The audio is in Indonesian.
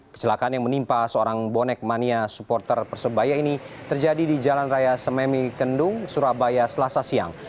kecelakaan yang menimpa seorang bonek mania supporter persebaya ini terjadi di jalan raya sememi kendung surabaya selasa siang